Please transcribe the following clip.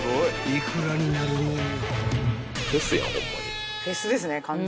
［幾らになるのよ］